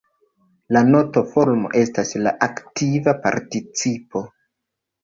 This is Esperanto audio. La nt-formo estas la aktiva participo.